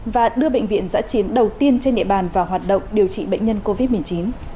và đưa bệnh viện giã chiến đầu tiên trên địa bàn vào hoạt động điều trị bệnh nhân covid một mươi chín